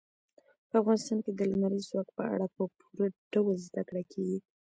په افغانستان کې د لمریز ځواک په اړه په پوره ډول زده کړه کېږي.